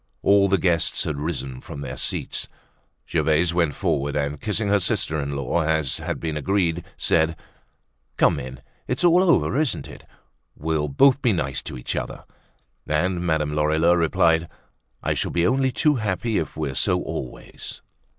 All the guests had risen from their seats; Gervaise went forward and kissing her sister in law as had been agreed, said: "Come in. It's all over, isn't it? We'll both be nice to each other." And Madame Lorilleux replied: "I shall be only too happy if we're so always."